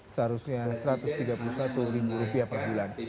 seharusnya rp satu ratus tiga puluh satu per bulan